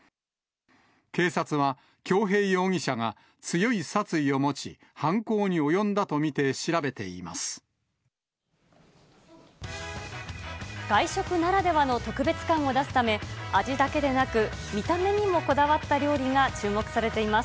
警察は、恭平容疑者が強い殺意を持ち、外食ならではの特別感を出すため、味だけでなく、見た目にもこだわった料理が注目されています。